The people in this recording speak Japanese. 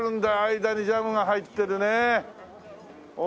間にジャムが入ってるね美味しい。